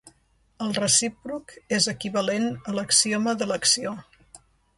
El recíproc és equivalent a l'axioma d'elecció.